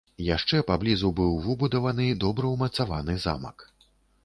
Яшчэ паблізу быў выбудаваны добра ўмацаваны замак.